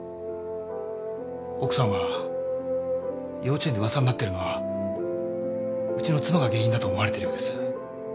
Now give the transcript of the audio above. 奥さんは幼稚園で噂になってるのはうちの妻が原因だと思われてるようです。